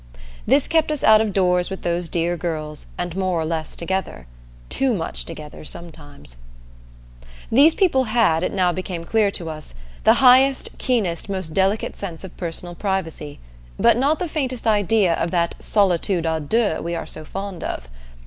This kept us out of doors with those dear girls, and more or less together too much together sometimes. These people had, it now became clear to us, the highest, keenest, most delicate sense of personal privacy, but not the faintest idea of that solitude à deux we are so fond of.